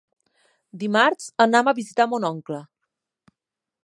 Dimarts anam a visitar mon oncle.